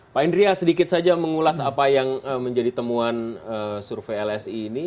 pak indria sedikit saja mengulas apa yang menjadi temuan survei lsi ini